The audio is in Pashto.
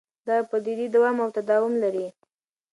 دغه پدیدې دوام او تداوم لري.